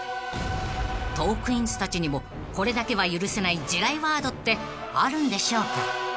［トークィーンズたちにもこれだけは許せない地雷ワードってあるんでしょうか？］